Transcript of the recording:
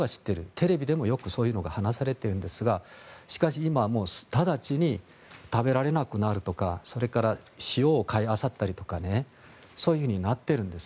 テレビでもよくそういうのが話されてるんですがしかし今、直ちに食べられなくなるとかそれから塩を買いあさったりとかそういうふうになっているんです。